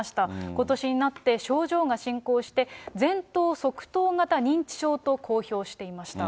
ことしになって、症状が進行して、前頭側頭型認知症と公表していました。